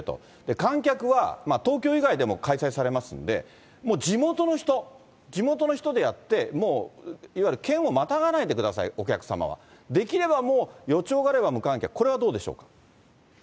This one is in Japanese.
観客は東京以外でも開催されますんで、もう地元の人、地元の人でやって、もういわゆる県をまたがないでください、お客様は、できればもう、予兆があれば無観客、これはどうでしょうか？